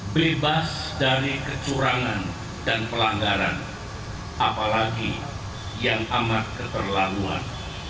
bebas dari kecurangan dan pelanggaran apalagi yang amat keterlaluan